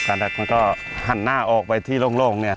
ดักมันก็หันหน้าออกไปที่โล่งเนี่ย